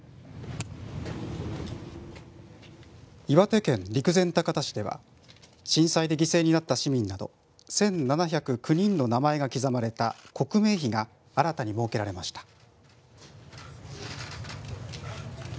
岩手県陸前高田市では震災で犠牲になった市民など１７０９人の名前が刻まれた刻名碑が新たに設けられました。